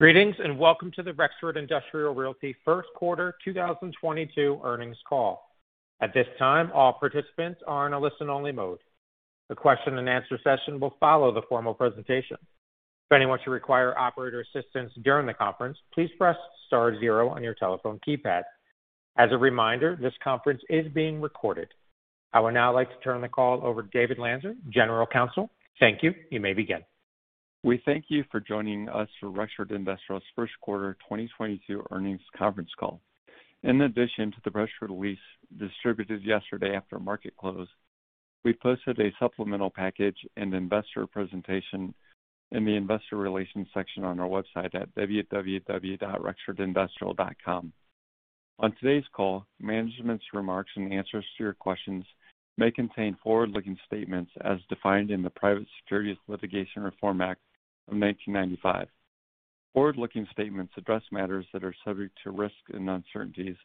Greetings, and welcome to the Rexford Industrial Realty first quarter 2022 earnings call. At this time, all participants are in a listen-only mode. The question and answer session will follow the formal presentation. If anyone should require operator assistance during the conference, please press star zero on your telephone keypad. As a reminder, this conference is being recorded. I would now like to turn the call over to David Lanzer, General Counsel. Thank you. You may begin. We thank you for joining us for Rexford Industrial's first quarter 2022 earnings conference call. In addition to the press release distributed yesterday after market close, we posted a supplemental package and investor presentation in the investor relations section on our website at www.rexfordindustrial.com. On today's call, management's remarks and answers to your questions may contain forward-looking statements as defined in the Private Securities Litigation Reform Act of 1995. Forward-looking statements address matters that are subject to risk and uncertainties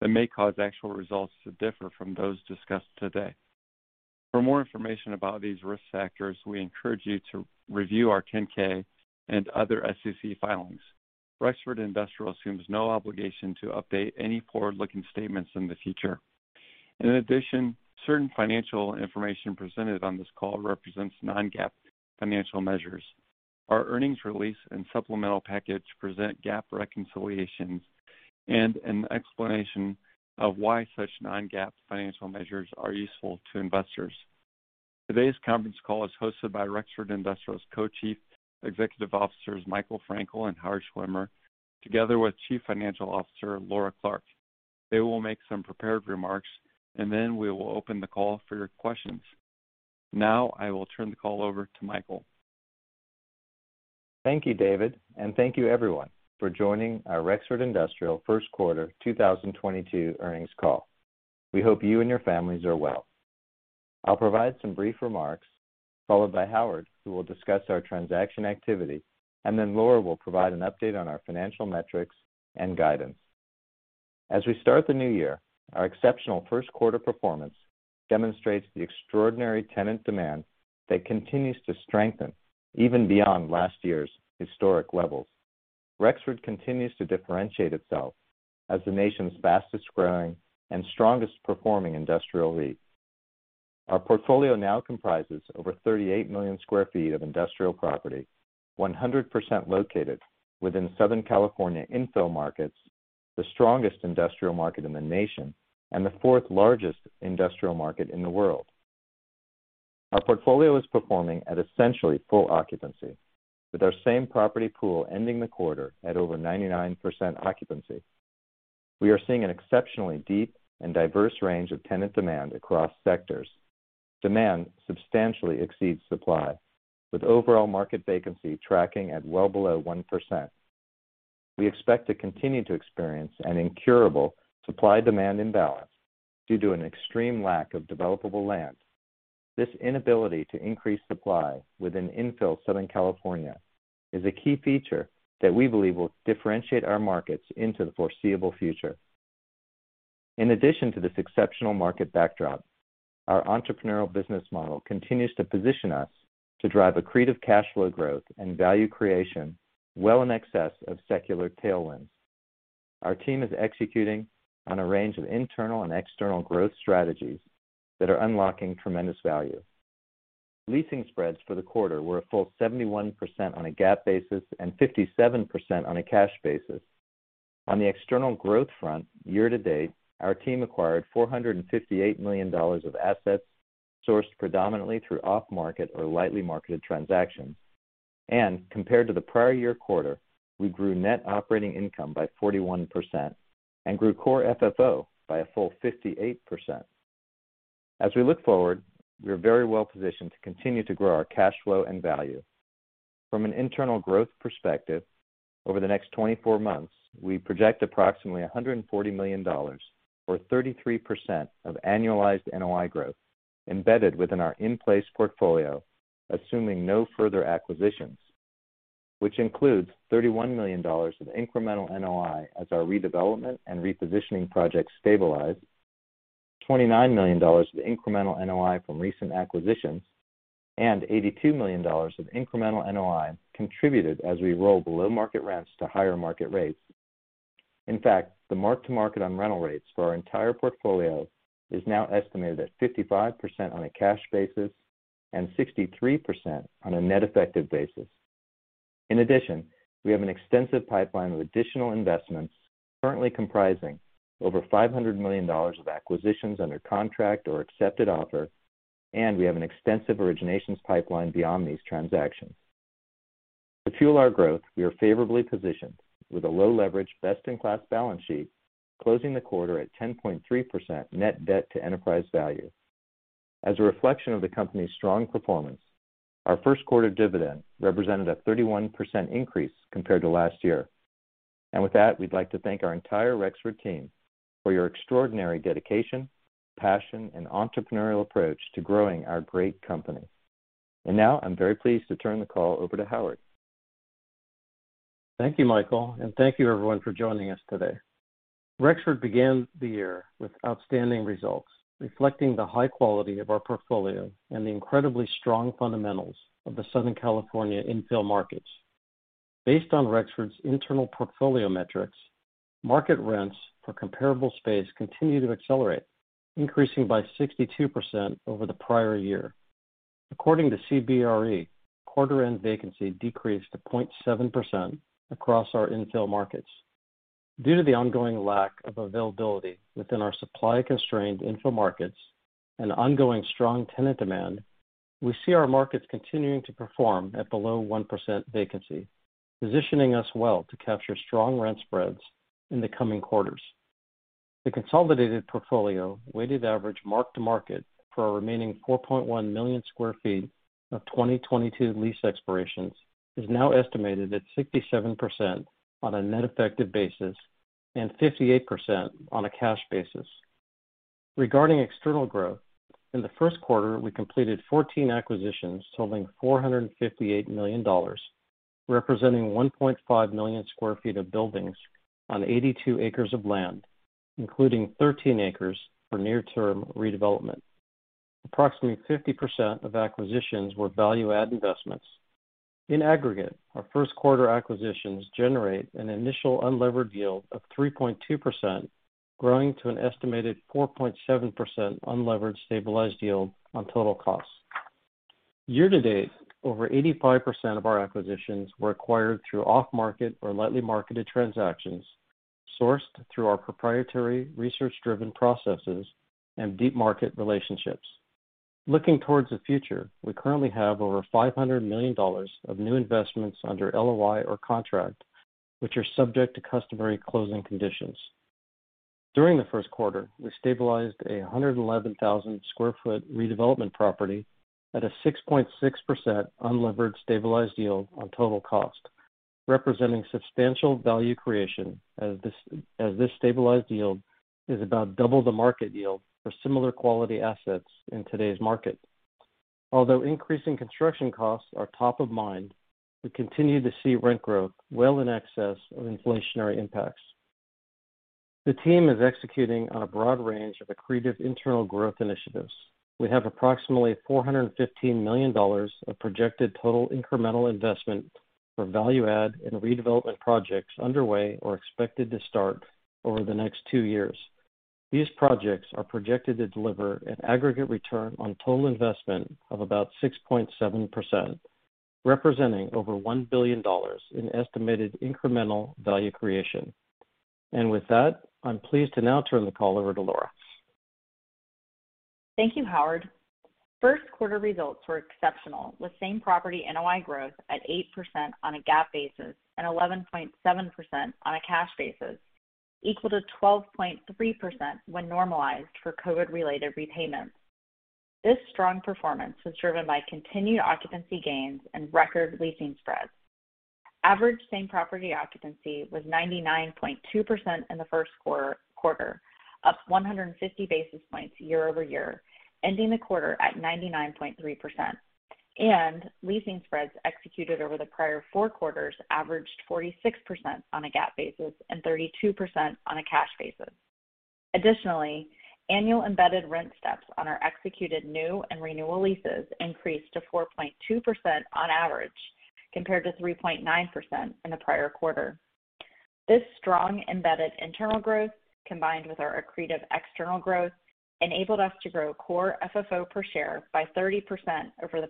that may cause actual results to differ from those discussed today. For more information about these risk factors, we encourage you to review our 10-K and other SEC filings. Rexford Industrial assumes no obligation to update any forward-looking statements in the future. In addition, certain financial information presented on this call represents non-GAAP financial measures. Our earnings release and supplemental package present GAAP reconciliations and an explanation of why such non-GAAP financial measures are useful to investors. Today's conference call is hosted by Rexford Industrial's Co-Chief Executive Officers, Michael Frankel and Howard Schwimmer, together with Chief Financial Officer, Laura Clark. They will make some prepared remarks, and then we will open the call for your questions. Now I will turn the call over to Michael. Thank you, David, and thank you everyone for joining our Rexford Industrial first quarter 2022 earnings call. We hope you and your families are well. I'll provide some brief remarks, followed by Howard, who will discuss our transaction activity, and then Laura will provide an update on our financial metrics and guidance. As we start the new year, our exceptional first quarter performance demonstrates the extraordinary tenant demand that continues to strengthen even beyond last year's historic levels. Rexford continues to differentiate itself as the nation's fastest growing and strongest performing industrial REIT. Our portfolio now comprises over 38 million sq ft of industrial property, 100% located within Southern California infill markets, the strongest industrial market in the nation, and the fourth largest industrial market in the world. Our portfolio is performing at essentially full occupancy, with our same property pool ending the quarter at over 99% occupancy. We are seeing an exceptionally deep and diverse range of tenant demand across sectors. Demand substantially exceeds supply, with overall market vacancy tracking at well below 1%. We expect to continue to experience an incurable supply-demand imbalance due to an extreme lack of developable land. This inability to increase supply within infill Southern California is a key feature that we believe will differentiate our markets into the foreseeable future. In addition to this exceptional market backdrop, our entrepreneurial business model continues to position us to drive accretive cash flow growth and value creation well in excess of secular tailwinds. Our team is executing on a range of internal and external growth strategies that are unlocking tremendous value. Leasing spreads for the quarter were a full 71% on a GAAP basis and 57% on a cash basis. On the external growth front, year to date, our team acquired $458 million of assets sourced predominantly through off-market or lightly marketed transactions. Compared to the prior year quarter, we grew net operating income by 41% and grew core FFO by a full 58%. As we look forward, we are very well positioned to continue to grow our cash flow and value. From an internal growth perspective, over the next 24 months, we project approximately $140 million or 33% of annualized NOI growth embedded within our in-place portfolio, assuming no further acquisitions, which includes $31 million of incremental NOI as our redevelopment and repositioning projects stabilize, $29 million of incremental NOI from recent acquisitions, and $82 million of incremental NOI contributed as we roll below market rents to higher market rates. In fact, the mark-to-market on rental rates for our entire portfolio is now estimated at 55% on a cash basis and 63% on a net effective basis. In addition, we have an extensive pipeline of additional investments currently comprising over $500 million of acquisitions under contract or accepted offer, and we have an extensive originations pipeline beyond these transactions. To fuel our growth, we are favorably positioned with a low leverage, best in class balance sheet, closing the quarter at 10.3% net debt to enterprise value. As a reflection of the company's strong performance, our first quarter dividend represented a 31% increase compared to last year. With that, we'd like to thank our entire Rexford team for your extraordinary dedication, passion and entrepreneurial approach to growing our great company. Now I'm very pleased to turn the call over to Howard. Thank you, Michael, and thank you everyone for joining us today. Rexford began the year with outstanding results, reflecting the high quality of our portfolio and the incredibly strong fundamentals of the Southern California infill markets. Based on Rexford's internal portfolio metrics, market rents for comparable space continue to accelerate, increasing by 62% over the prior year. According to CBRE, quarter end vacancy decreased to 0.7% across our infill markets. Due to the ongoing lack of availability within our supply constrained infill markets and ongoing strong tenant demand, we see our markets continuing to perform at below 1% vacancy, positioning us well to capture strong rent spreads in the coming quarters. The consolidated portfolio weighted average mark-to-market for our remaining 4.1 million sq ft of 2022 lease expirations is now estimated at 67% on a net effective basis and 58% on a cash basis. Regarding external growth, in the first quarter, we completed 14 acquisitions totaling $458 million, representing 1.5 million sq ft of buildings on 82 acres of land, including 13 acres for near-term redevelopment. Approximately 50% of acquisitions were value add investments. In aggregate, our first quarter acquisitions generate an initial unlevered yield of 3.2%, growing to an estimated 4.7% unlevered stabilized yield on total costs. Year to date, over 85% of our acquisitions were acquired through off market or lightly marketed transactions, sourced through our proprietary research driven processes and deep market relationships. Looking towards the future, we currently have over $500 million of new investments under LOI or contract, which are subject to customary closing conditions. During the first quarter, we stabilized a 111,000 sq ft redevelopment property at a 6.6% unlevered stabilized yield on total cost, representing substantial value creation as this stabilized yield is about double the market yield for similar quality assets in today's market. Although increasing construction costs are top of mind, we continue to see rent growth well in excess of inflationary impacts. The team is executing on a broad range of accretive internal growth initiatives. We have approximately $415 million of projected total incremental investment for value add and redevelopment projects underway or expected to start over the next two years. These projects are projected to deliver an aggregate return on total investment of about 6.7%, representing over $1 billion in estimated incremental value creation. With that, I'm pleased to now turn the call over to Laura. Thank you, Howard. First quarter results were exceptional, with same property NOI growth at 8% on a GAAP basis and 11.7% on a cash basis, equal to 12.3% when normalized for COVID related repayments. This strong performance was driven by continued occupancy gains and record leasing spreads. Average same property occupancy was 99.2% in the first quarter, up 150 basis points year-over-year, ending the quarter at 99.3%. Leasing spreads executed over the prior four quarters averaged 46% on a GAAP basis and 32% on a cash basis. Additionally, annual embedded rent steps on our executed new and renewal leases increased to 4.2% on average, compared to 3.9% in the prior quarter. This strong embedded internal growth, combined with our accretive external growth, enabled us to grow Core FFO per share by 30% over the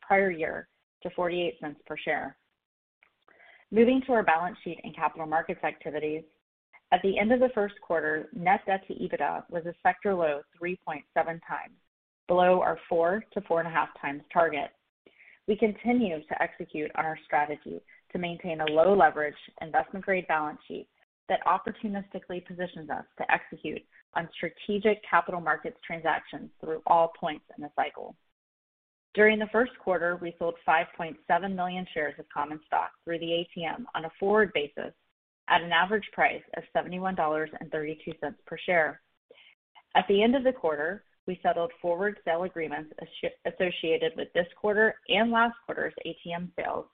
prior year to $0.48 per share. Moving to our balance sheet and capital markets activities. At the end of the first quarter, net debt to EBITDA was a sector low 3.7 times, below our 4-4.5 times target. We continue to execute on our strategy to maintain a low leverage investment grade balance sheet that opportunistically positions us to execute on strategic capital markets transactions through all points in the cycle. During the first quarter, we sold 5.7 million shares of common stock through the ATM on a forward basis at an average price of $71.32 per share. At the end of the quarter, we settled forward sale agreements associated with this quarter and last quarter's ATM sales,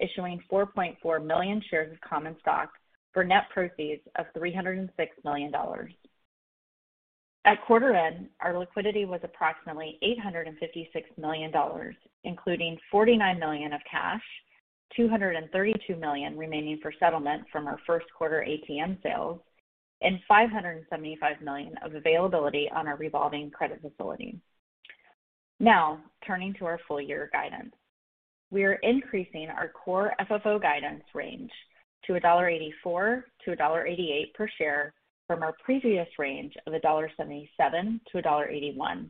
issuing 4.4 million shares of common stock for net proceeds of $306 million. At quarter end, our liquidity was approximately $856 million, including $49 million of cash, $232 million remaining for settlement from our first quarter ATM sales, and $575 million of availability on our revolving credit facility. Now, turning to our full year guidance. We are increasing our core FFO guidance range to $1.84-$1.88 per share from our previous range of $1.77-$1.81.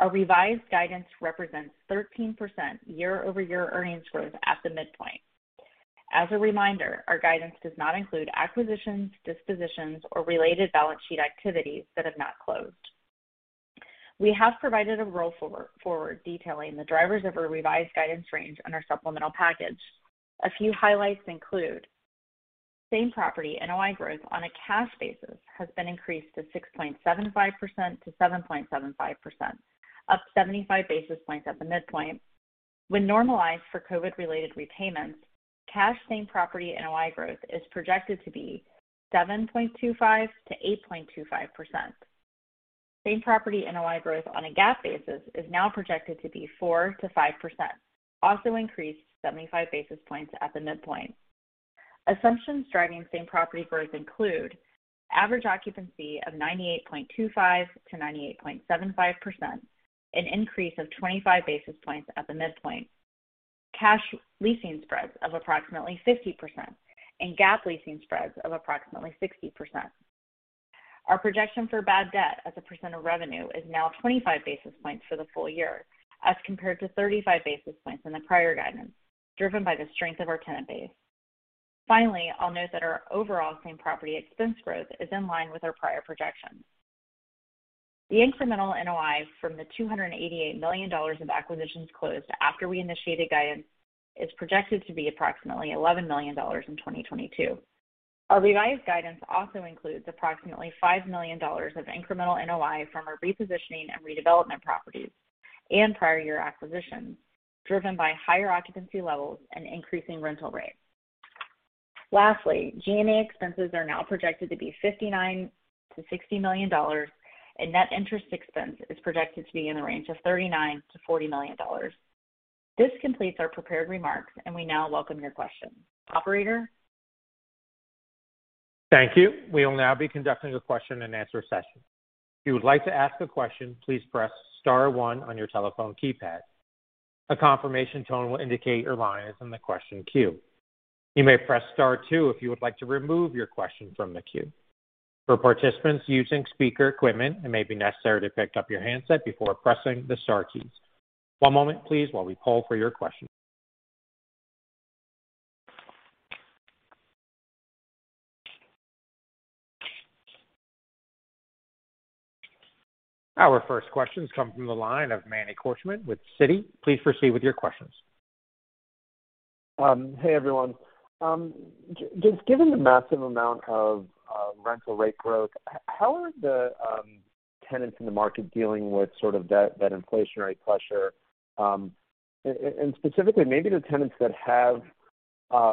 Our revised guidance represents 13% year-over-year earnings growth at the midpoint. As a reminder, our guidance does not include acquisitions, dispositions, or related balance sheet activities that have not closed. We have provided a roll forward detailing the drivers of our revised guidance range on our supplemental package. A few highlights include same-property NOI growth on a cash basis has been increased to 6.75%-7.75%, up 75 basis points at the midpoint. When normalized for COVID related repayments, cash same-property NOI growth is projected to be 7.25%-8.25%. Same-property NOI growth on a GAAP basis is now projected to be 4%-5%, also increased 75 basis points at the midpoint. Assumptions driving same-property growth include average occupancy of 98.25%-98.75%, an increase of 25 basis points at the midpoint. Cash leasing spreads of approximately 50% and GAAP leasing spreads of approximately 60%. Our projection for bad debt as a percent of revenue is now 25 basis points for the full year as compared to 35 basis points in the prior guidance, driven by the strength of our tenant base. Finally, I'll note that our overall same-property expense growth is in line with our prior projections. The incremental NOI from the $288 million of acquisitions closed after we initiated guidance is projected to be approximately $11 million in 2022. Our revised guidance also includes approximately $5 million of incremental NOI from our repositioning and redevelopment properties and prior year acquisitions, driven by higher occupancy levels and increasing rental rates. Lastly, G&A expenses are now projected to be $59 million-$60 million, and net interest expense is projected to be in the range of $39 million-$40 million. This completes our prepared remarks, and we now welcome your questions. Operator. Thank you. We will now be conducting a question and answer session. If you would like to ask a question, please press star one on your telephone keypad. A confirmation tone will indicate your line is in the question queue. You may press star two if you would like to remove your question from the queue. For participants using speaker equipment, it may be necessary to pick up your handset before pressing the star keys. One moment please while we poll for your questions. Our first question comes from the line of Manny Korchman with Citi. Please proceed with your questions. Hey, everyone. Just given the massive amount of rental rate growth, how are the tenants in the market dealing with sort of that inflationary pressure? Specifically, maybe the tenants that have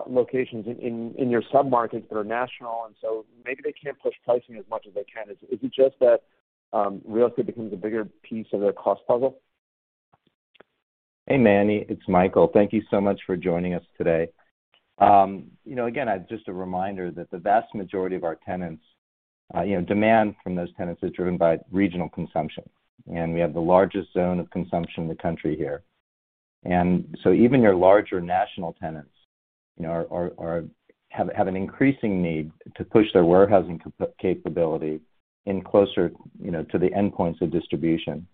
locations in your sub-markets that are national, and so maybe they can't push pricing as much as they can. Is it just that real estate becomes a bigger piece of their cost puzzle? Hey, Manny, it's Michael. Thank you so much for joining us today. You know, again, just a reminder that the vast majority of our tenants, you know, demand from those tenants is driven by regional consumption. We have the largest zone of consumption in the country here. Even your larger national tenants, you know, have an increasing need to push their warehousing capability in closer, you know, to the endpoints of distribution.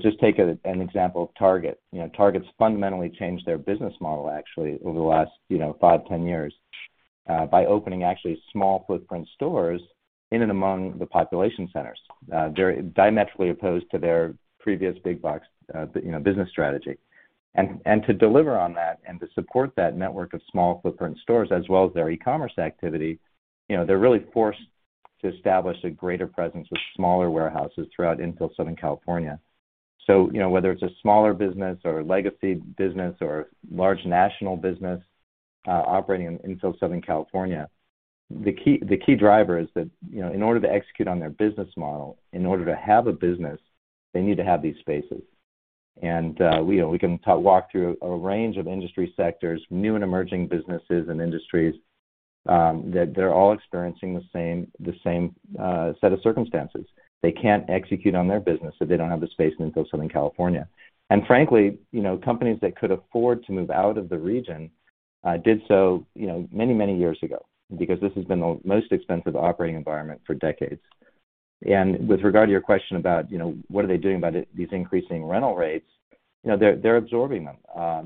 Just take an example of Target. You know, Target's fundamentally changed their business model actually over the last, you know, five, 10 years, by opening actually small footprint stores in and among the population centers. Very diametrically opposed to their previous big box, you know, business strategy. To deliver on that and to support that network of small footprint stores as well as their e-commerce activity, you know, they're really forced to establish a greater presence with smaller warehouses throughout infill Southern California. You know, whether it's a smaller business or a legacy business or large national business operating in infill Southern California, the key driver is that, you know, in order to execute on their business model, in order to have a business, they need to have these spaces. We can talk through a range of industry sectors, new and emerging businesses and industries that they're all experiencing the same set of circumstances. They can't execute on their business if they don't have the space in infill Southern California. Frankly, you know, companies that could afford to move out of the region did so, you know, many years ago because this has been the most expensive operating environment for decades. With regard to your question about, you know, what are they doing about it, these increasing rental rates, you know, they're absorbing them.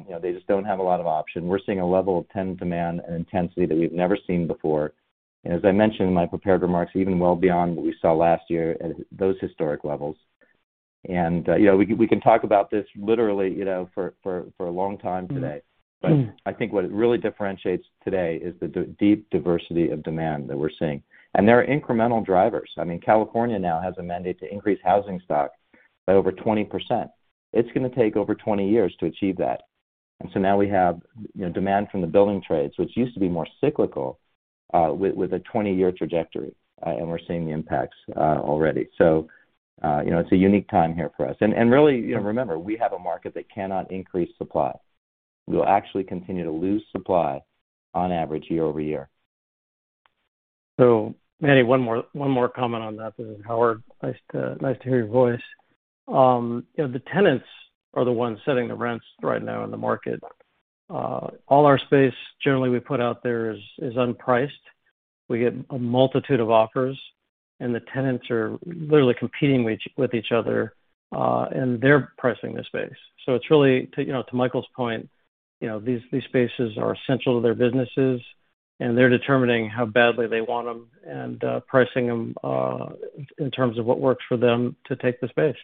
You know, they just don't have a lot of options. We're seeing a level of tenant demand and intensity that we've never seen before. As I mentioned in my prepared remarks, even well beyond what we saw last year at those historic levels. You know, we can talk about this literally, you know, for a long time today. I think what it really differentiates today is the deep diversity of demand that we're seeing. There are incremental drivers. I mean, California now has a mandate to increase housing stock by over 20%. It's gonna take over 20 years to achieve that. Now we have, you know, demand from the building trades, which used to be more cyclical, with a 20-year trajectory. We're seeing the impacts already. You know, it's a unique time here for us. Really, you know, remember, we have a market that cannot increase supply. We'll actually continue to lose supply on average year-over-year. Manny, one more comment on that. This is Howard. Nice to hear your voice. You know, the tenants are the ones setting the rents right now in the market. All our space generally we put out there is unpriced. We get a multitude of offers, and the tenants are literally competing with each other, and they're pricing the space. It's really, to you know, to Michael's point, you know, these spaces are essential to their businesses, and they're determining how badly they want them and pricing them in terms of what works for them to take the space.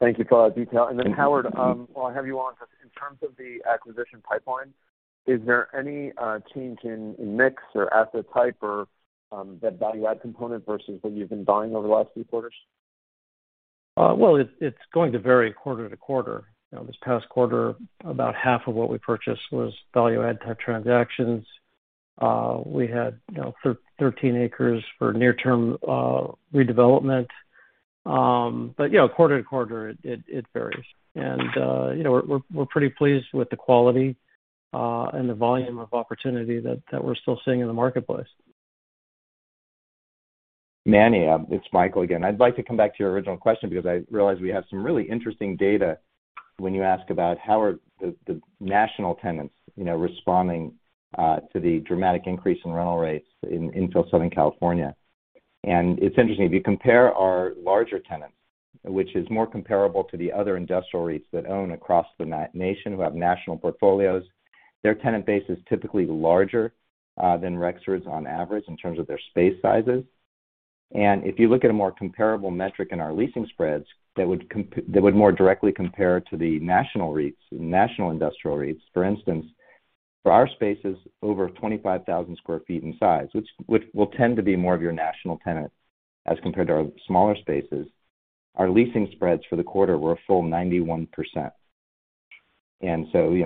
Thank you for that detail. Howard, while I have you on, just in terms of the acquisition pipeline. Is there any change in mix or asset type or that value add component versus what you've been buying over the last few quarters? Well, it's going to vary quarter to quarter. You know, this past quarter, about half of what we purchased was value add type transactions. We had, you know, 13 acres for near-term redevelopment. Yeah, quarter to quarter it varies. You know, we're pretty pleased with the quality and the volume of opportunity that we're still seeing in the marketplace. Manny, it's Michael again. I'd like to come back to your original question because I realize we have some really interesting data when you ask about how are the national tenants, you know, responding to the dramatic increase in rental rates in Southern California. It's interesting, if you compare our larger tenants, which is more comparable to the other industrial REITs that own across the nation, who have national portfolios, their tenant base is typically larger than Rexford's on average in terms of their space sizes. If you look at a more comparable metric in our leasing spreads that would more directly compare to the national REITs, national industrial REITs. For instance, for our spaces over 25,000 sq ft in size, which will tend to be more of your national tenants as compared to our smaller spaces, our leasing spreads for the quarter were a full 91%. You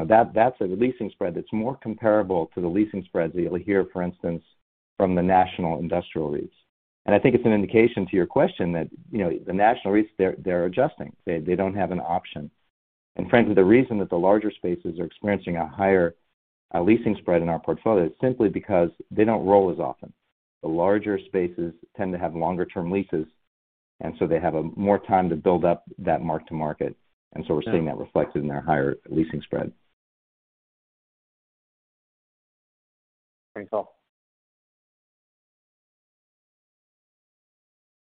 know, that's a leasing spread that's more comparable to the leasing spreads that you'll hear, for instance, from the national industrial REITs. I think it's an indication to your question that, you know, the national REITs, they're adjusting. They don't have an option. Frankly, the reason that the larger spaces are experiencing a higher leasing spread in our portfolio is simply because they don't roll as often. The larger spaces tend to have longer term leases, and so they have more time to build up that mark-to-market. We're seeing that reflected in their higher leasing spread. Great. Cool.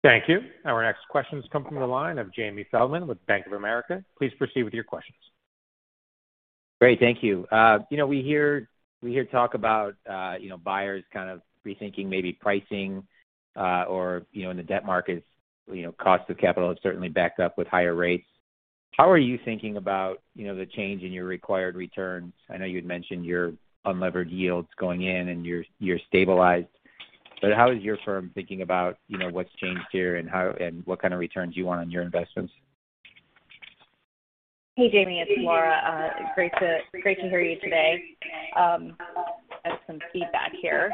Thank you. Our next question is coming from the line of Jamie Feldman with Bank of America. Please proceed with your questions. Great. Thank you. You know, we hear talk about, you know, buyers kind of rethinking maybe pricing, or, you know, in the debt markets, you know, cost of capital has certainly backed up with higher rates. How are you thinking about, you know, the change in your required returns? I know you'd mentioned your unlevered yields going in and you're stabilized. But how is your firm thinking about, you know, what's changed here and what kind of returns you want on your investments? Hey, Jamie, it's Laura. Great to hear you today. I have some feedback here.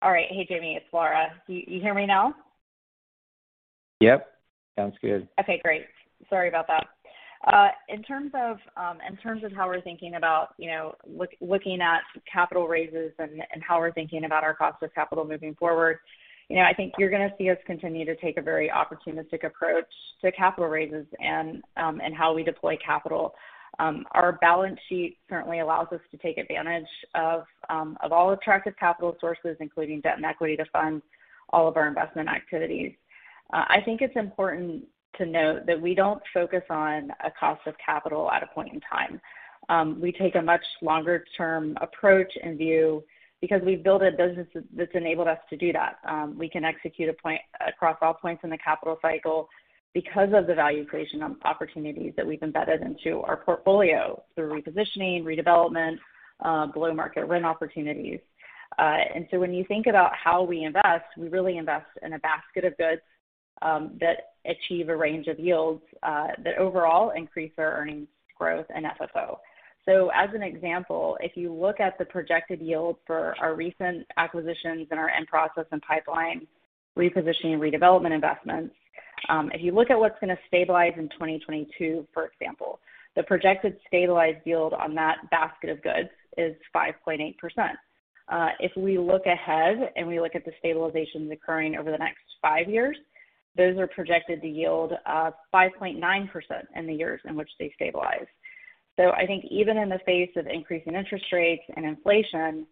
All right. Hey, Jamie, it's Laura. Do you hear me now? Yep. Sounds good. Okay, great. Sorry about that. In terms of how we're thinking about, you know, looking at capital raises and how we're thinking about our cost of capital moving forward. You know, I think you're gonna see us continue to take a very opportunistic approach to capital raises and how we deploy capital. Our balance sheet currently allows us to take advantage of all attractive capital sources, including debt and equity, to fund all of our investment activities. I think it's important to note that we don't focus on a cost of capital at a point in time. We take a much longer term approach and view because we've built a business that's enabled us to do that. We can execute across all points in the capital cycle because of the value creation opportunities that we've embedded into our portfolio through repositioning, redevelopment, below-market rent opportunities. When you think about how we invest, we really invest in a basket of goods that achieve a range of yields that overall increase our earnings growth and FFO. As an example, if you look at the projected yield for our recent acquisitions and our in-process and pipeline repositioning and redevelopment investments, if you look at what's gonna stabilize in 2022, for example, the projected stabilized yield on that basket of goods is 5.8%. If we look ahead and we look at the stabilizations occurring over the next five years, those are projected to yield 5.9% in the years in which they stabilize. I think even in the face of increasing interest rates and inflation,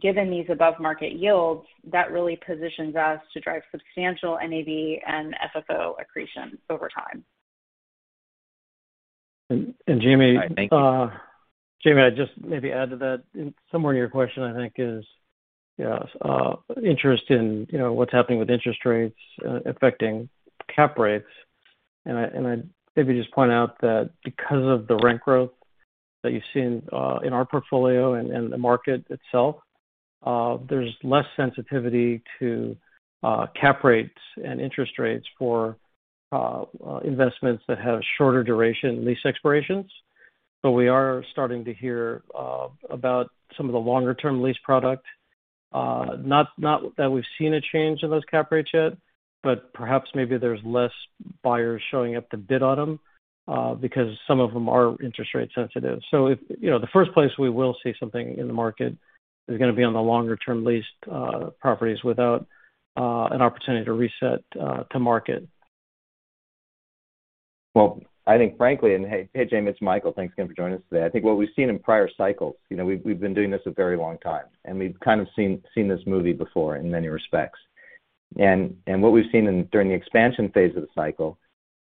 given these above market yields, that really positions us to drive substantial NAV and FFO accretion over time. Jamie. All right. Thank you. Jamie, I'd just maybe add to that. In somewhere in your question, I think is, you know, interest in, you know, what's happening with interest rates affecting cap rates. I'd maybe just point out that because of the rent growth that you've seen in our portfolio and the market itself, there's less sensitivity to cap rates and interest rates for investments that have shorter duration lease expirations. We are starting to hear about some of the longer-term lease product. Not that we've seen a change in those cap rates yet, but perhaps maybe there's less buyers showing up to bid on them because some of them are interest rate sensitive. If you know, the first place we will see something in the market is gonna be on the longer-term leased properties without an opportunity to reset to market. Well, I think frankly, hey, Jamie, it's Michael. Thanks again for joining us today. I think what we've seen in prior cycles, you know, we've been doing this a very long time, and we've kind of seen this movie before in many respects. What we've seen during the expansion phase of the cycle,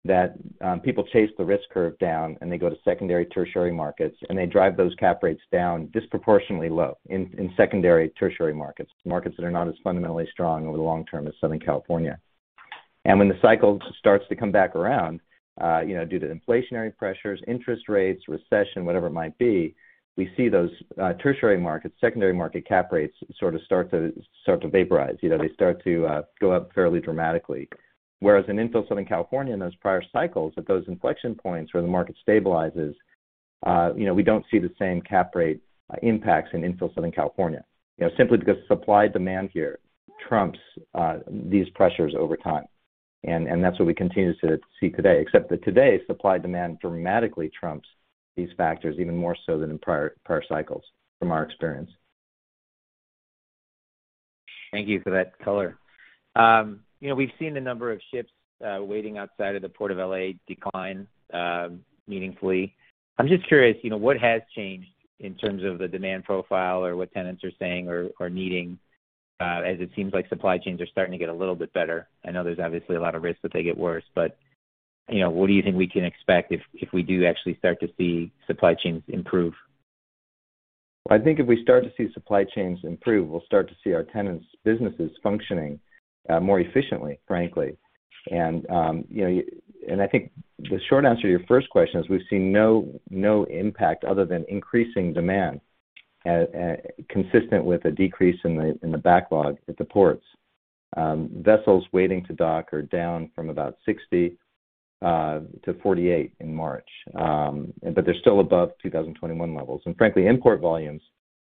that people chase the risk curve down and they go to secondary, tertiary markets, and they drive those cap rates down disproportionately low in secondary, tertiary markets that are not as fundamentally strong over the long term as Southern California. When the cycle starts to come back around, you know, due to inflationary pressures, interest rates, recession, whatever it might be, we see those tertiary markets, secondary market cap rates sort of start to vaporize. You know, they start to go up fairly dramatically. Whereas in infill Southern California in those prior cycles, at those inflection points where the market stabilizes, you know, we don't see the same cap rate impacts in infill Southern California. You know, simply because supply-demand here trumps these pressures over time. That's what we continue to see today. Except that today, supply-demand dramatically trumps these factors even more so than in prior cycles from our experience. Thank you for that color. You know, we've seen the number of ships waiting outside of the Port of L.A. decline meaningfully. I'm just curious, you know, what has changed in terms of the demand profile or what tenants are saying or needing, as it seems like supply chains are starting to get a little bit better. I know there's obviously a lot of risk that they get worse, but, you know, what do you think we can expect if we do actually start to see supply chains improve? I think if we start to see supply chains improve, we'll start to see our tenants' businesses functioning more efficiently, frankly. I think the short answer to your first question is we've seen no impact other than increasing demand consistent with a decrease in the backlog at the ports. Vessels waiting to dock are down from about 60 to 48 in March. But they're still above 2021 levels. Frankly, import volumes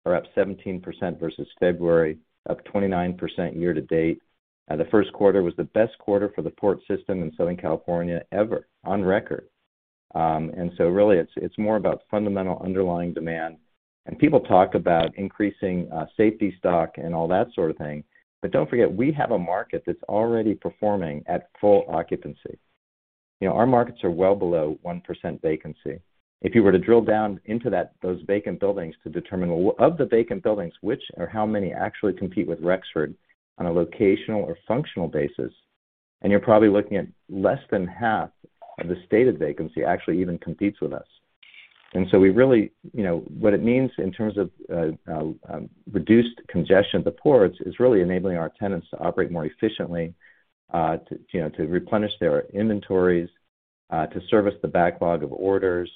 are up 17% versus February, up 29% year to date. The first quarter was the best quarter for the port system in Southern California ever on record. Really it's more about fundamental underlying demand. People talk about increasing safety stock and all that sort of thing, but don't forget, we have a market that's already performing at full occupancy. You know, our markets are well below 1% vacancy. If you were to drill down into those vacant buildings to determine which or how many of the vacant buildings actually compete with Rexford on a locational or functional basis, and you're probably looking at less than half of the stated vacancy actually even competes with us. We really, you know, what it means in terms of reduced congestion at the ports is really enabling our tenants to operate more efficiently, to, you know, to replenish their inventories, to service the backlog of orders.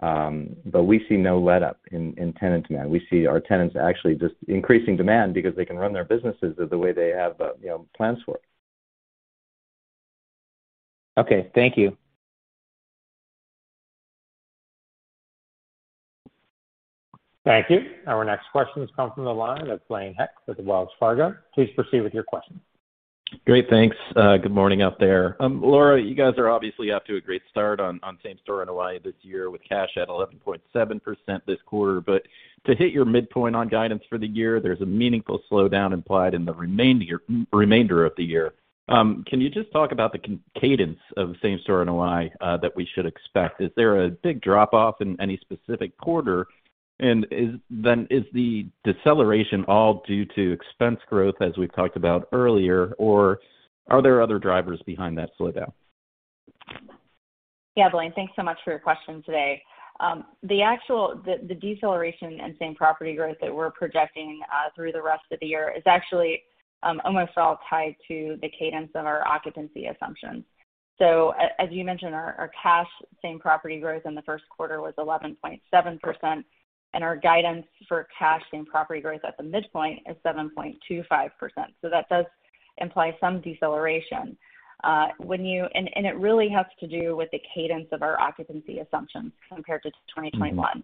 But we see no letup in tenant demand. We see our tenants actually just increasing demand because they can run their businesses the way they have, you know, plans for. Okay. Thank you. Thank you. Our next question has come from the line of Blaine Heck with Wells Fargo. Please proceed with your question. Great. Thanks. Good morning out there. Laura, you guys are obviously off to a great start on same-store NOI this year with cash at 11.7% this quarter. To hit your midpoint on guidance for the year, there's a meaningful slowdown implied in the remainder of the year. Can you just talk about the cadence of same-store NOI that we should expect? Is there a big drop-off in any specific quarter? Is the deceleration all due to expense growth, as we've talked about earlier, or are there other drivers behind that slowdown? Yeah. Blaine, thanks so much for your question today. The deceleration in same-property growth that we're projecting through the rest of the year is actually almost all tied to the cadence of our occupancy assumptions. As you mentioned, our cash same-property growth in the first quarter was 11.7%, and our guidance for cash same-property growth at the midpoint is 7.25%. That does imply some deceleration. It really has to do with the cadence of our occupancy assumptions compared to 2021. Mm-hmm.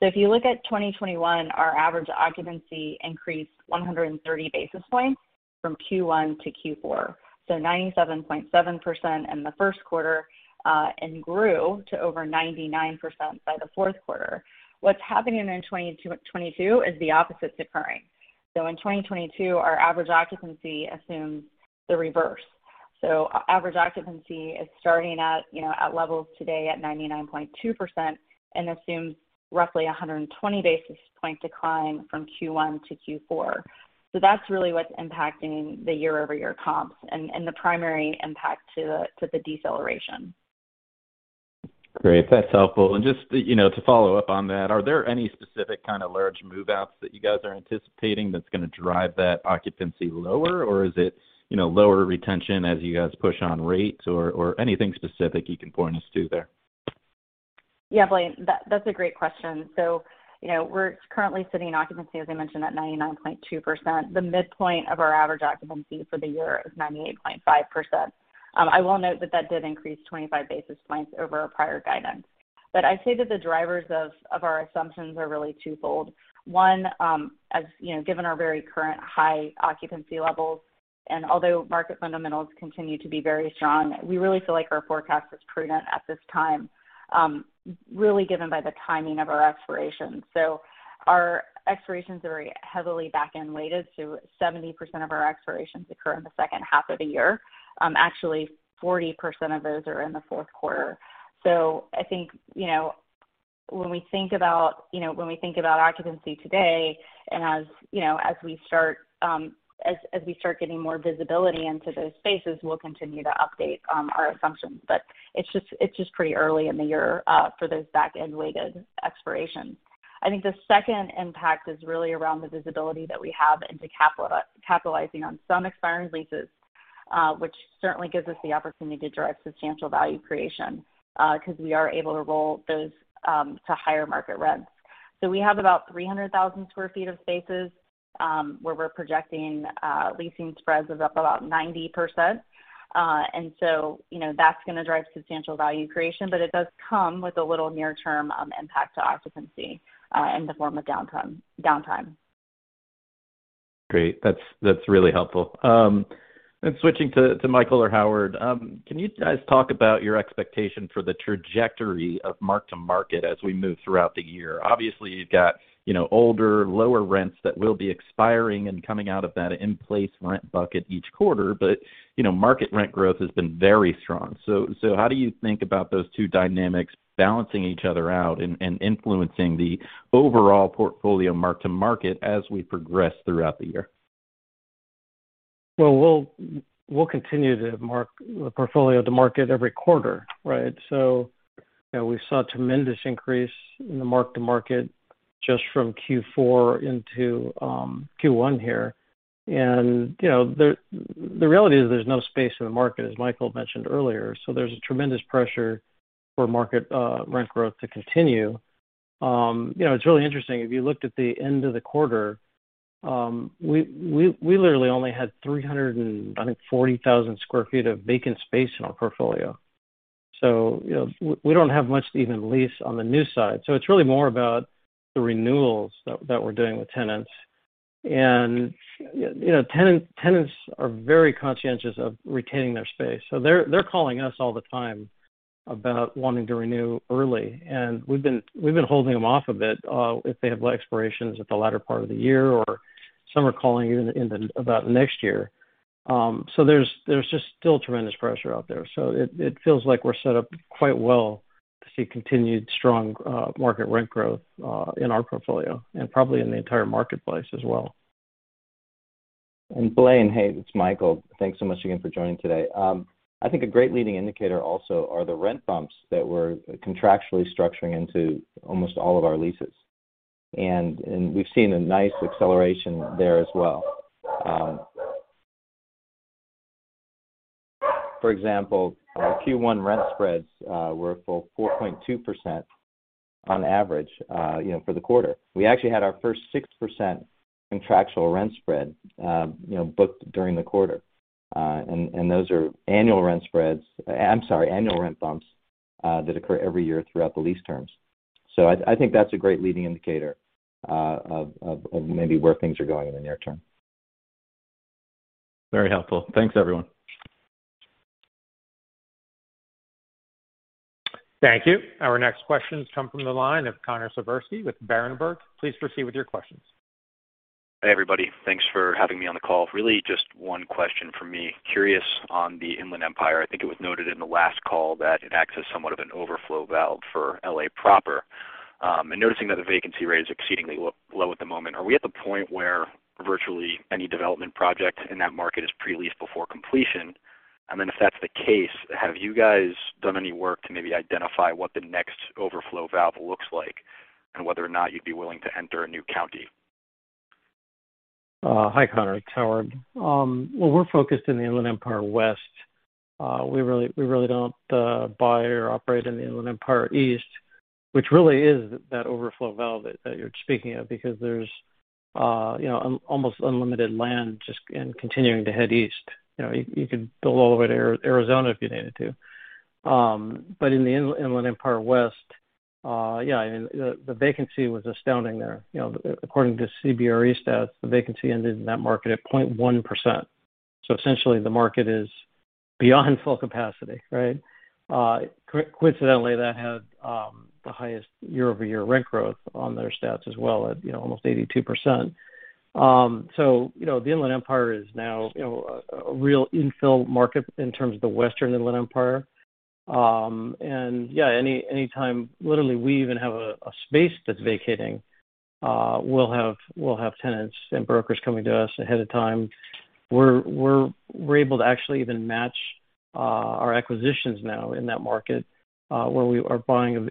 If you look at 2021, our average occupancy increased 130 basis points from Q1 to Q4. 97.7% in the first quarter and grew to over 99% by the fourth quarter. What's happening in 2022 is the opposite's occurring. In 2022, our average occupancy assumes the reverse. Our average occupancy is starting at, you know, at levels today at 99.2% and assumes roughly 120 basis points decline from Q1 to Q4. That's really what's impacting the year-over-year comps and the primary impact to the deceleration. Great. That's helpful. Just, you know, to follow up on that, are there any specific kind of large move-outs that you guys are anticipating that's gonna drive that occupancy lower? Or is it, you know, lower retention as you guys push on rates or anything specific you can point us to there? Yeah, Blaine, that's a great question. You know, we're currently sitting in occupancy, as I mentioned, at 99.2%. The midpoint of our average occupancy for the year is 98.5%. I will note that that did increase 25 basis points over our prior guidance. I'd say that the drivers of our assumptions are really twofold. One, as you know, given our very current high occupancy levels, and although market fundamentals continue to be very strong, we really feel like our forecast is prudent at this time, really given by the timing of our expirations. Our expirations are heavily back-end weighted, so 70% of our expirations occur in the second half of the year. Actually 40% of those are in the fourth quarter. I think, you know, when we think about occupancy today and as we start getting more visibility into those spaces, we'll continue to update our assumptions. It's just pretty early in the year for those back-end-weighted expirations. I think the second impact is really around the visibility that we have into capitalizing on some expiring leases, which certainly gives us the opportunity to drive substantial value creation, 'cause we are able to roll those to higher market rents. We have about 300,000 sq ft of spaces where we're projecting leasing spreads of up about 90%. You know, that's gonna drive substantial value creation, but it does come with a little near-term impact to occupancy in the form of downtime. Great. That's really helpful. Switching to Michael or Howard. Can you guys talk about your expectation for the trajectory of mark-to-market as we move throughout the year? Obviously, you've got, you know, older, lower rents that will be expiring and coming out of that in-place rent bucket each quarter. Market rent growth has been very strong. How do you think about those two dynamics balancing each other out and influencing the overall portfolio mark-to-market as we progress throughout the year? Well, we'll continue to mark the portfolio to market every quarter, right? You know, we saw tremendous increase in the mark-to-market just from Q4 into Q1 here. You know, the reality is there's no space in the market, as Michael mentioned earlier. There's a tremendous pressure for market rent growth to continue. You know, it's really interesting. If you looked at the end of the quarter, we literally only had 340,000 sq ft of vacant space in our portfolio. You know, we don't have much to even lease on the new side. It's really more about the renewals that we're doing with tenants. You know, tenants are very conscientious of retaining their space. They're calling us all the time about wanting to renew early, and we've been holding them off a bit, if they have expirations at the latter part of the year, or some are calling even about next year. There's just still tremendous pressure out there. It feels like we're set up quite well to see continued strong market rent growth in our portfolio and probably in the entire marketplace as well. Blaine, hey, it's Michael. Thanks so much again for joining today. I think a great leading indicator also are the rent bumps that we're contractually structuring into almost all of our leases. We've seen a nice acceleration there as well. For example, our Q1 rent spreads were a full 4.2% on average, you know, for the quarter. We actually had our first 6% contractual rent spread, you know, booked during the quarter. Those are annual rent spreads. I'm sorry, annual rent bumps, that occur every year throughout the lease terms. I think that's a great leading indicator of maybe where things are going in the near term. Very helpful. Thanks, everyone. Thank you. Our next questions come from the line of Connor Siversky with Berenberg. Please proceed with your questions. Hey, everybody. Thanks for having me on the call. Really just one question from me. Curious on the Inland Empire. I think it was noted in the last call that it acts as somewhat of an overflow valve for L.A. proper. Noticing that the vacancy rate is exceedingly low at the moment, are we at the point where virtually any development project in that market is pre-leased before completion? If that's the case, have you guys done any work to maybe identify what the next overflow valve looks like and whether or not you'd be willing to enter a new county? Hi, Connor. It's Howard. Well, we're focused in the Inland Empire West. We really don't buy or operate in the Inland Empire East, which really is that overflow valve that you're speaking of because there's, you know, almost unlimited land just in continuing to head east. You know, you could build all the way to Arizona if you needed to. But in the Inland Empire West, yeah, I mean the vacancy was astounding there. You know, according to CBRE stats, the vacancy ended in that market at 0.1%. So essentially the market is beyond full capacity, right? Coincidentally, that had the highest year-over-year rent growth on their stats as well at, you know, almost 82%. You know, the Inland Empire is now, you know, a real infill market in terms of the Western Inland Empire. Yeah, anytime literally we even have a space that's vacating, we'll have tenants and brokers coming to us ahead of time. We're able to actually even match our acquisitions now in that market, where we are buying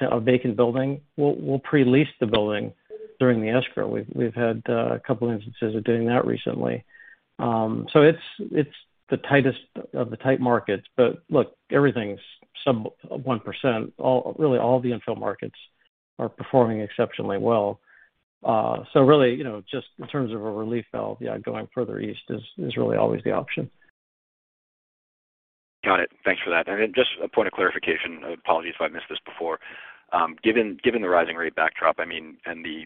a vacant building. We'll pre-lease the building during the escrow. We've had a couple instances of doing that recently. It's the tightest of the tight markets. But look, everything's some one percent. Really, all the infill markets are performing exceptionally well. Really, you know, just in terms of a relief valve, yeah, going further east is really always the option. Got it. Thanks for that. Just a point of clarification. Apologies if I missed this before. Given the rising rate backdrop, I mean, and the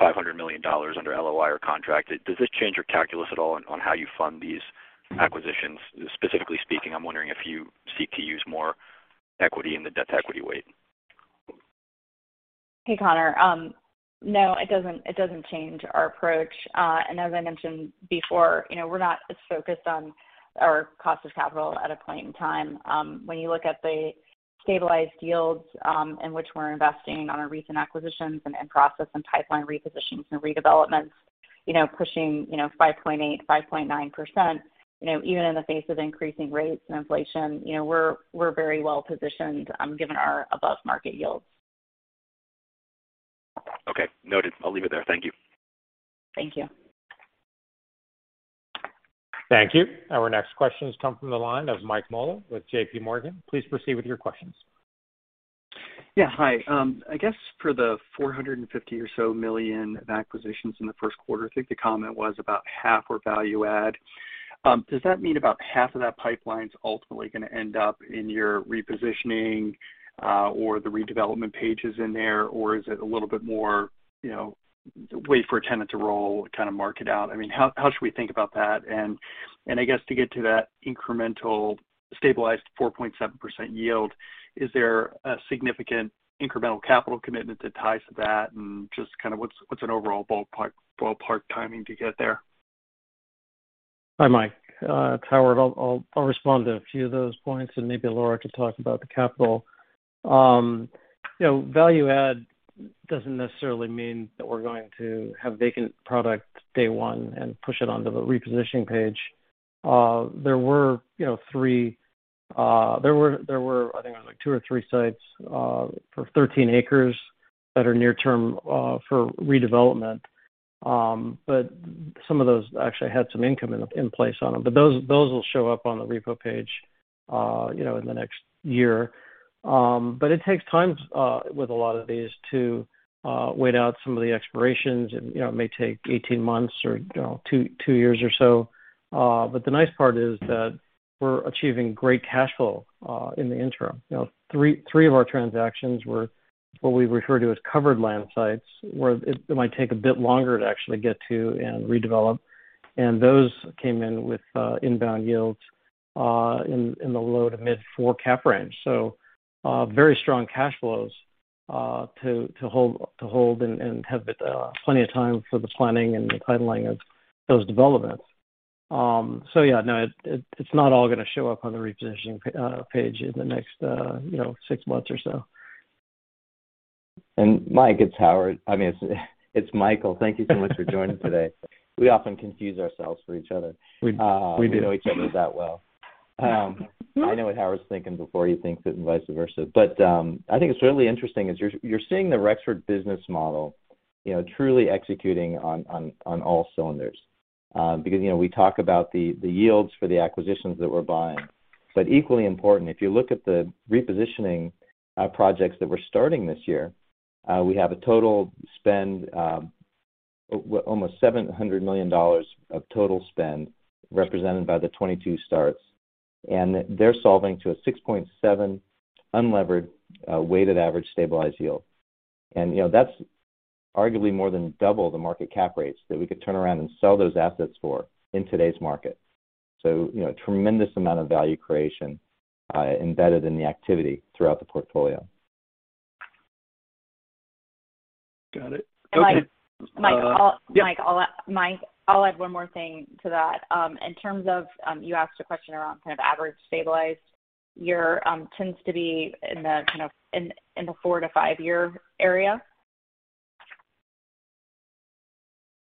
$500 million under LOI or contract, does this change your calculus at all on how you fund these acquisitions? Specifically speaking, I'm wondering if you seek to use more equity in the debt-to-equity weight. Hey, Connor. No, it doesn't change our approach. As I mentioned before, you know, we're not as focused on our cost of capital at a point in time. When you look at the stabilized yields in which we're investing on our recent acquisitions and in-process and pipeline repositions and redevelopments. You know, pushing, you know, 5.8%-5.9%, you know, even in the face of increasing rates and inflation, you know, we're very well-positioned, given our above-market yields. Okay, noted. I'll leave it there. Thank you. Thank you. Thank you. Our next question has come from the line of Mike Mueller with JPMorgan. Please proceed with your questions. Yeah. Hi. I guess for the $450 million or so of acquisitions in the first quarter, I think the comment was about half were value add. Does that mean about half of that pipeline's ultimately gonna end up in your repositioning or the redevelopment pages in there? Or is it a little bit more, you know, wait for a tenant to roll, kinda mark-to-market? I mean, how should we think about that? I guess to get to that incremental stabilized 4.7% yield, is there a significant incremental capital commitment to tie to that? Just kinda what's an overall ballpark timing to get there? Hi, Mike. It's Howard. I'll respond to a few of those points and maybe Laura can talk about the capital. You know, value add doesn't necessarily mean that we're going to have vacant product day one and push it onto the repositioning page. There were, I think it was like two or three sites for 13 acres that are near term for redevelopment. But some of those actually had some income in place on them. But those will show up on the repo page, you know, in the next year. But it takes time with a lot of these to wait out some of the expirations. You know, it may take 18 months or, you know, two years or so. The nice part is that we're achieving great cash flow in the interim. Three of our transactions were what we refer to as covered land sites, where it might take a bit longer to actually get to and redevelop. Those came in with inbound yields in the low to mid four cap range. Very strong cash flows to hold and have plenty of time for the planning and the titling of those developments. It's not all gonna show up on the repositioning page in the next six months or so. Mike, it's Howard. I mean, it's Michael. Thank you so much for joining today. We often confuse ourselves for each other. We do. We know each other that well. I know what Howard's thinking before he thinks it and vice versa. I think it's certainly interesting is you're seeing the Rexford business model, you know, truly executing on all cylinders. Because, you know, we talk about the yields for the acquisitions that we're buying. Equally important, if you look at the repositioning projects that we're starting this year, we have a total spend, almost $700 million of total spend represented by the 22 starts. They're solving to a 6.7 unlevered, weighted average stabilized yield. You know, that's arguably more than double the market cap rates that we could turn around and sell those assets for in today's market. You know, tremendous amount of value creation embedded in the activity throughout the portfolio. Got it. Okay. Mike, I'll- Yeah. Mike, I'll add one more thing to that. In terms of, you asked a question around kind of average stabilized. Yours tends to be in the kind of 4-5 year area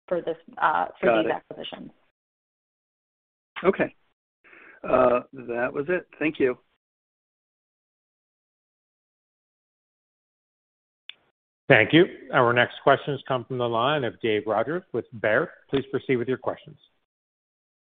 for this. Got it. For these acquisitions. Okay. That was it. Thank you. Thank you. Our next question has come from the line of Dave Rodgers with Baird. Please proceed with your questions.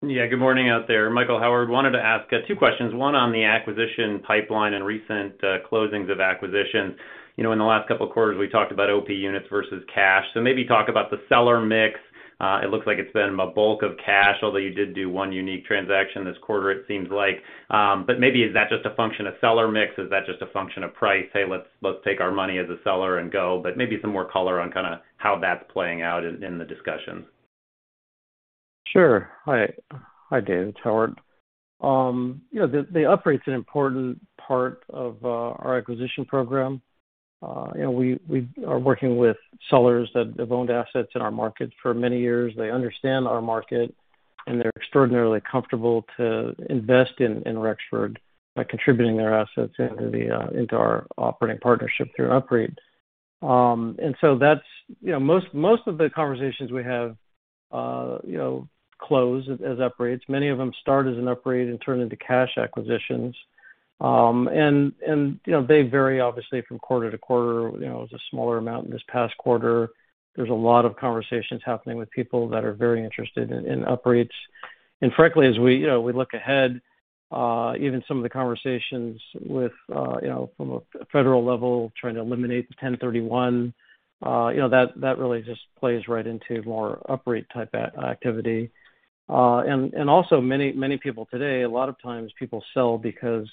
Yeah. Good morning out there. Michael, Howard. Wanted to ask two questions, one on the acquisition pipeline and recent closings of acquisitions. You know, in the last couple of quarters, we talked about OP units versus cash. So maybe talk about the seller mix. It looks like it's been a bulk of cash, although you did do one unique transaction this quarter, it seems like. But maybe is that just a function of seller mix? Is that just a function of price? Hey, let's take our money as a seller and go. But maybe some more color on kinda how that's playing out in the discussions. Sure. Hi. Hi, Dave. It's Howard. You know, the UPREIT's an important part of our acquisition program. You know, we are working with sellers that have owned assets in our market for many years. They understand our market, and they're extraordinarily comfortable to invest in Rexford by contributing their assets into our operating partnership through UPREIT. That's, you know, most of the conversations we have, you know, close as UPREITs. Many of them start as an UPREIT and turn into cash acquisitions. You know, they vary obviously from quarter to quarter. You know, it was a smaller amount in this past quarter. There's a lot of conversations happening with people that are very interested in UPREITs. Frankly, as we, you know, we look ahead, even some of the conversations with you know, from a federal level trying to eliminate the 1031 exchange, you know, that really just plays right into more UPREIT type of activity. And also many, many people today, a lot of times people sell because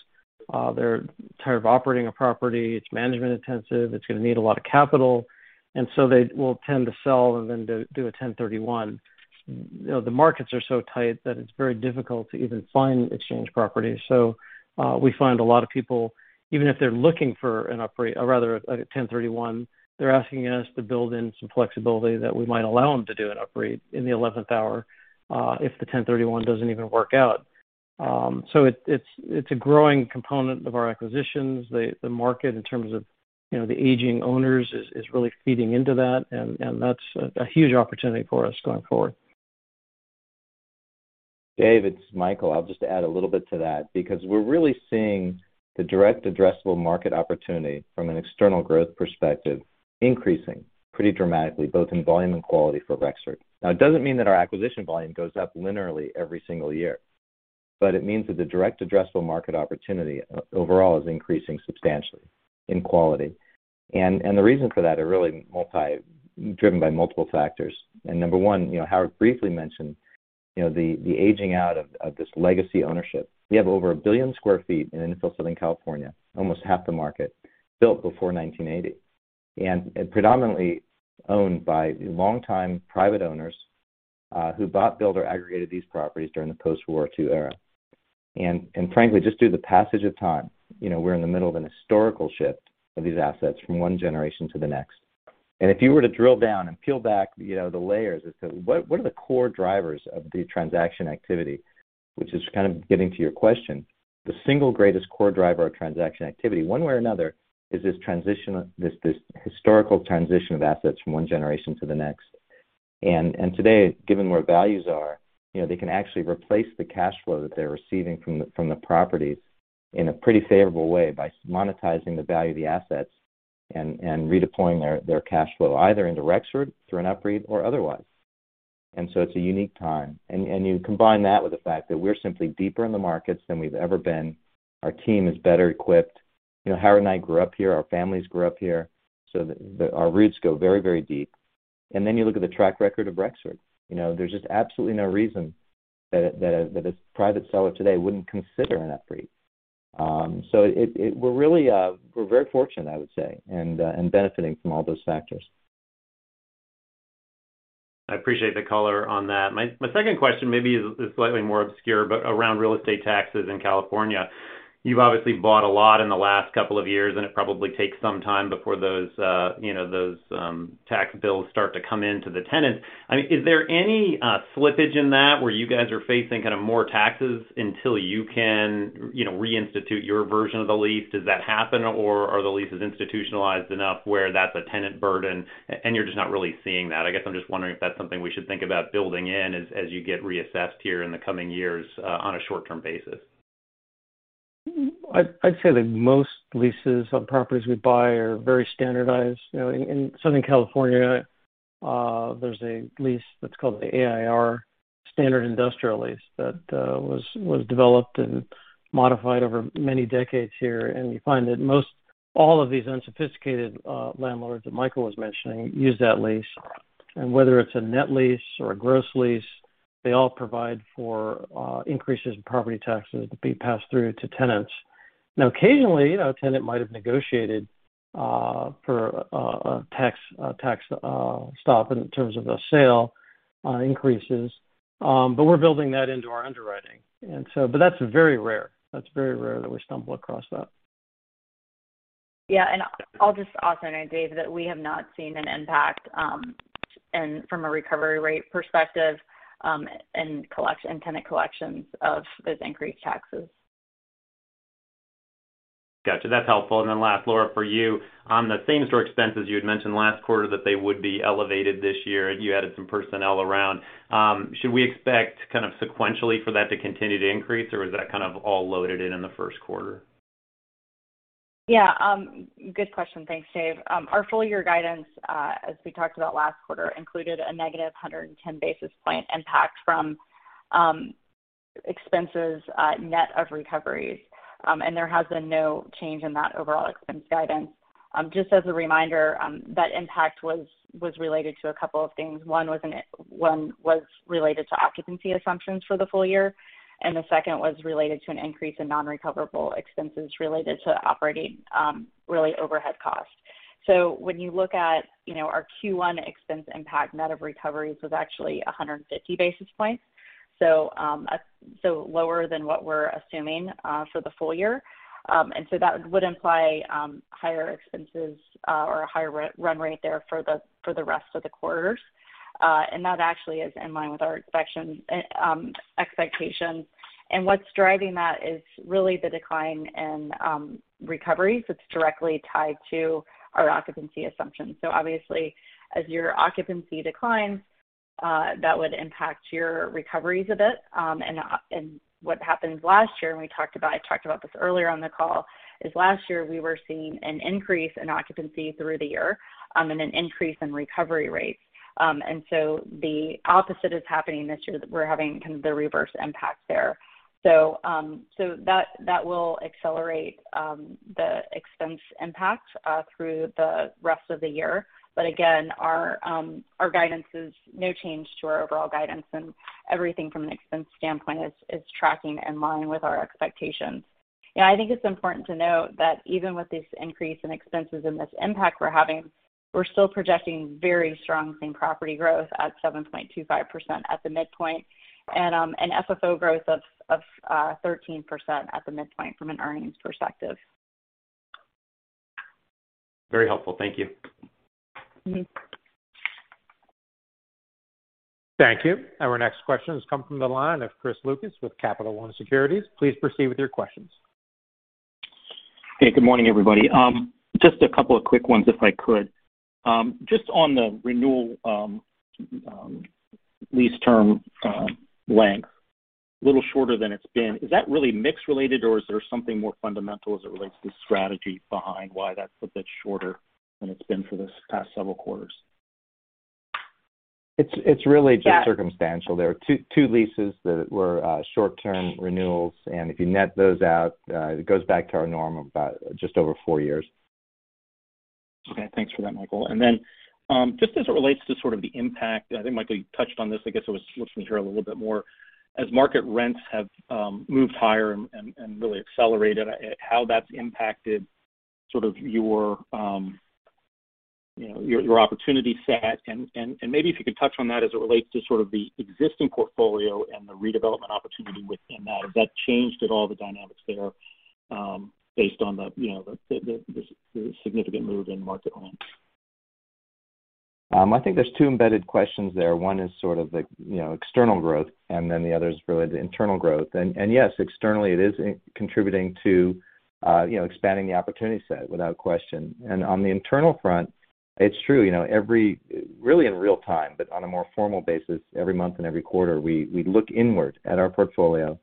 they're tired of operating a property. It's management intensive. It's gonna need a lot of capital. And so they will tend to sell and then do a 1031 exchange. You know, the markets are so tight that it's very difficult to even find exchange properties. We find a lot of people, even if they're looking for or rather a 1031 exchange, they're asking us to build in some flexibility that we might allow them to do an UPREIT in the eleventh hour if the 1031 exchange doesn't even work out. It's a growing component of our acquisitions. The market in terms of, you know, the aging owners is really feeding into that and that's a huge opportunity for us going forward. Dave, it's Michael. I'll just add a little bit to that because we're really seeing the direct addressable market opportunity from an external growth perspective increasing pretty dramatically, both in volume and quality for Rexford. Now, it doesn't mean that our acquisition volume goes up linearly every single year, but it means that the direct addressable market opportunity overall is increasing substantially in quality. The reason for that are really driven by multiple factors. Number one, you know, Howard briefly mentioned, you know, the aging out of this legacy ownership. We have over 1 billion square feet in infill Southern California, almost half the market, built before 1980. Predominantly owned by longtime private owners who bought, built, or aggregated these properties during the post-World War II era. Frankly, just through the passage of time, you know, we're in the middle of an historical shift of these assets from one generation to the next. If you were to drill down and peel back, you know, the layers as to what are the core drivers of the transaction activity, which is kind of getting to your question, the single greatest core driver of transaction activity, one way or another, is this transition, this historical transition of assets from one generation to the next. Today, given where values are, you know, they can actually replace the cash flow that they're receiving from the properties in a pretty favorable way by monetizing the value of the assets and redeploying their cash flow either into Rexford through a UPREIT or otherwise. It's a unique time. You combine that with the fact that we're simply deeper in the markets than we've ever been. Our team is better equipped. You know, Howard and I grew up here, our families grew up here, our roots go very, very deep. Then you look at the track record of Rexford. You know, there's just absolutely no reason that a private seller today wouldn't consider a UPREIT. We're really very fortunate, I would say, and benefiting from all those factors. I appreciate the color on that. My second question maybe is slightly more obscure, but around real estate taxes in California. You've obviously bought a lot in the last couple of years, and it probably takes some time before those tax bills start to come into the tenants. I mean, is there any slippage in that where you guys are facing kind of more taxes until you can reinstitute your version of the lease? Does that happen? Or are the leases institutionalized enough where that's a tenant burden and you're just not really seeing that? I guess I'm just wondering if that's something we should think about building in as you get reassessed here in the coming years on a short-term basis. I'd say that most leases on properties we buy are very standardized. You know, in Southern California, there's a lease that's called the AIR Standard Industrial Lease that was developed and modified over many decades here. We find that most all of these unsophisticated landlords that Michael was mentioning use that lease. Whether it's a net lease or a gross lease, they all provide for increases in property taxes to be passed through to tenants. Now occasionally, you know, a tenant might have negotiated for a tax stop in terms of annual increases, but we're building that into our underwriting. But that's very rare that we stumble across that. Yeah. I'll just also note, Dave, that we have not seen an impact, and from a recovery rate perspective, in tenant collections of those increased taxes. Gotcha. That's helpful. Last, Laura, for you, on the same store expenses, you had mentioned last quarter that they would be elevated this year, and you added some personnel around. Should we expect kind of sequentially for that to continue to increase, or was that kind of all loaded in in the first quarter? Yeah. Good question. Thanks, Dave. Our full year guidance, as we talked about last quarter, included a negative 110 basis point impact from expenses, net of recoveries. And there has been no change in that overall expense guidance. Just as a reminder, that impact was related to a couple of things. One was related to occupancy assumptions for the full year, and the second was related to an increase in non-recoverable expenses related to operating, really overhead costs. When you look at, you know, our Q1 expense impact net of recoveries was actually 150 basis points, lower than what we're assuming for the full year. That would imply higher expenses or a higher run rate there for the rest of the quarters. That actually is in line with our expectations. What's driving that is really the decline in recoveries that's directly tied to our occupancy assumptions. Obviously, as your occupancy declines, that would impact your recoveries a bit. What happened last year when I talked about this earlier on the call is last year, we were seeing an increase in occupancy through the year and an increase in recovery rates. The opposite is happening this year. We're having kind of the reverse impact there. That will accelerate the expense impact through the rest of the year. Again, our guidance is no change to our overall guidance, and everything from an expense standpoint is tracking in line with our expectations. I think it's important to note that even with this increase in expenses and this impact we're having, we're still projecting very strong same property growth at 7.25% at the midpoint and an FFO growth of 13% at the midpoint from an earnings perspective. Very helpful. Thank you. Mm-hmm. Thank you. Our next question has come from the line of Chris Lucas with Capital One Securities. Please proceed with your questions. Hey, good morning, everybody. Just a couple of quick ones, if I could. Just on the renewal, lease term, length, a little shorter than it's been. Is that really mix related, or is there something more fundamental as it relates to strategy behind why that's a bit shorter than it's been for this past several quarters? It's really just circumstantial. There are two leases that were short-term renewals, and if you net those out, it goes back to our norm of about just over four years. Okay. Thanks for that, Michael. Then, just as it relates to sort of the impact, I think Michael, you touched on this. I guess it was just a little bit more material. As market rents have moved higher and really accelerated, how that's impacted sort of your you know, your opportunity set and maybe if you could touch on that as it relates to sort of the existing portfolio and the redevelopment opportunity within that. Has that changed at all the dynamics there, based on the you know, the significant move in market rents? I think there's two embedded questions there. One is sort of like, you know, external growth, and then the other is really the internal growth. Yes, externally it is contributing to, you know, expanding the opportunity set without question. On the internal front, it's true, you know, every really in real time, but on a more formal basis, every month and every quarter, we look inward at our portfolio,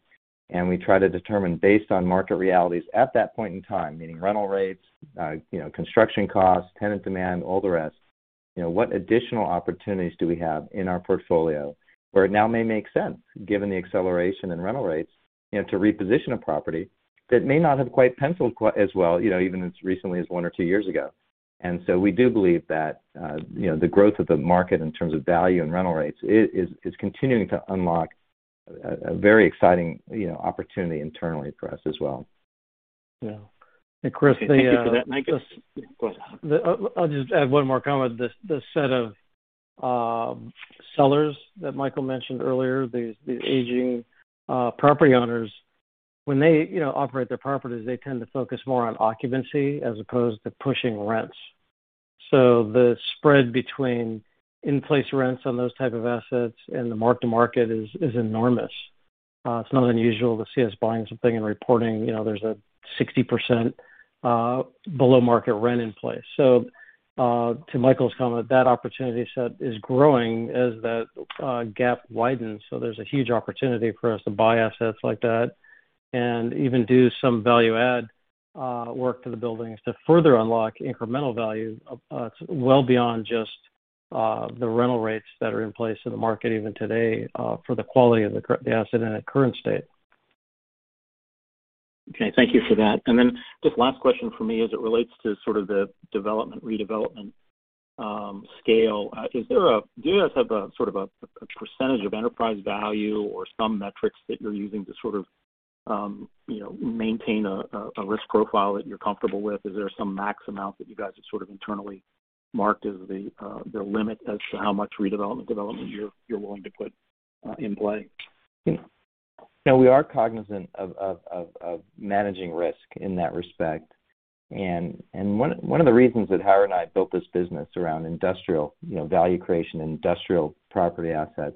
and we try to determine, based on market realities at that point in time, meaning rental rates, you know, construction costs, tenant demand, all the rest, you know, what additional opportunities do we have in our portfolio where it now may make sense given the acceleration in rental rates, you know, to reposition a property that may not have quite penciled out as well, you know, even as recently as one or two years ago. We do believe that, you know, the growth of the market in terms of value and rental rates is continuing to unlock a very exciting, you know, opportunity internally for us as well. Yeah. Chris, the Thank you for that, Michael. I'll just add one more comment. The set of sellers that Michael mentioned earlier, the aging property owners, when they, you know, operate their properties, they tend to focus more on occupancy as opposed to pushing rents. The spread between in-place rents on those type of assets and the mark-to-market is enormous. It's not unusual to see us buying something and reporting, you know, there's a 60% below-market rent in place. To Michael's comment, that opportunity set is growing as that gap widens, so there's a huge opportunity for us to buy assets like that and even do some value-add work to the buildings to further unlock incremental value, well beyond just the rental rates that are in place in the market even today, for the quality of the asset in its current state. Okay. Thank you for that. Just last question from me as it relates to sort of the development, redevelopment, scale. Do you guys have a sort of a percentage of enterprise value or some metrics that you're using to sort of you know maintain a risk profile that you're comfortable with? Is there some max amount that you guys have sort of internally marked as the limit as to how much redevelopment, development you're willing to put in play? Yeah. We are cognizant of managing risk in that respect. One of the reasons that Howard and I built this business around industrial value creation and industrial property assets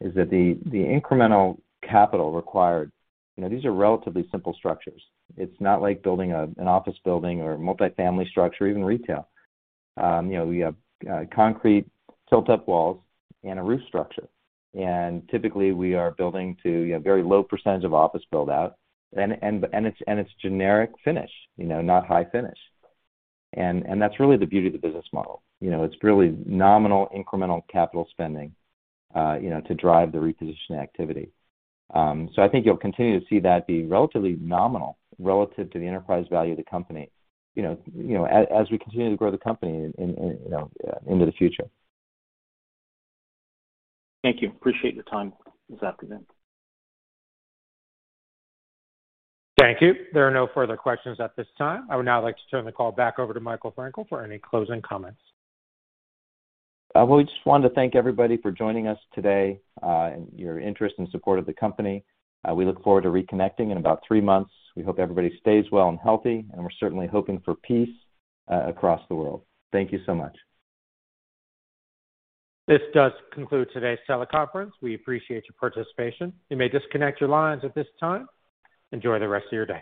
is that the incremental capital required. You know, these are relatively simple structures. It's not like building an office building or a multifamily structure or even retail. You know, we have concrete tilt-up walls and a roof structure. Typically, we are building to you know, very low percentage of office build-out. It's generic finish, you know, not high finish. That's really the beauty of the business model. You know, it's really nominal incremental capital spending, you know, to drive the reposition activity. I think you'll continue to see that be relatively nominal relative to the enterprise value of the company, you know, as we continue to grow the company, you know, into the future. Thank you. Appreciate your time this afternoon. Thank you. There are no further questions at this time. I would now like to turn the call back over to Michael Frankel for any closing comments. We just wanted to thank everybody for joining us today, and your interest and support of the company. We look forward to reconnecting in about three months. We hope everybody stays well and healthy, and we're certainly hoping for peace across the world. Thank you so much. This does conclude today's teleconference. We appreciate your participation. You may disconnect your lines at this time. Enjoy the rest of your day.